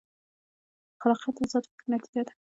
خلاقیت د ازاد فکر نتیجه ده.